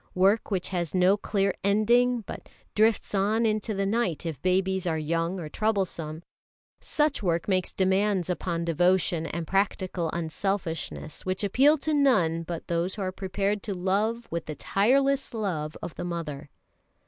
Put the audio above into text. Work which has no clear ending, but drifts on into the night if babies are young or troublesome such work makes demands upon devotion and practical unselfishness which appeal to none but those who are prepared to love with the tireless love of the mother.